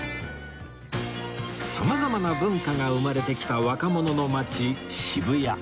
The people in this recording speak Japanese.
様々な文化が生まれてきた若者の街渋谷